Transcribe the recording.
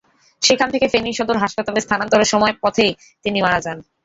সেখান থেকে ফেনী সদর হাসপাতালে স্থানান্তরের সময় পথেই তিনি মারা যান।